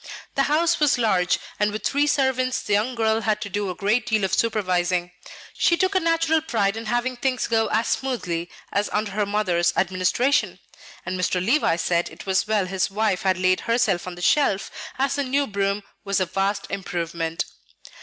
The house was large; and with three servants the young girl had to do a great deal of supervising. She took a natural pride in having things go as smoothly as under her mother's administration; and Mr. Levice said it was well his wife had laid herself on the shelf, as the new broom was a vast improvement.